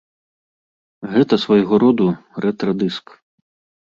Гэта свайго роду рэтра-дыск.